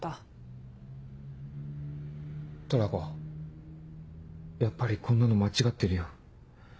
トラコやっぱりこんなの間違ってるよ。